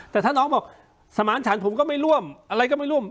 แต่ถ้าน้องบอกสมานฉันผมก็ไม่ร่วมอะไรก็ไม่ร่วม